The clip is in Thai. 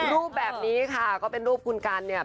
รูปแบบนี้เป็นรูปคุณกรรเนี้ย